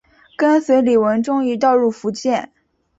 跟随李文忠一道入福建。